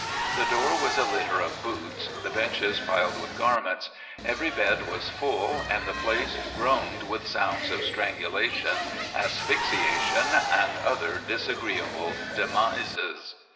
The floor was a litter of boots, the benches piled with garments. Every bed was full, and the place groaned with sounds of strangulation, asphyxiation, and other disagreeable demises.